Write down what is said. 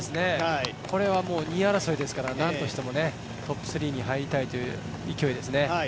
これは２位争いですから、何としてもトップ３に入りたいという勢いですね。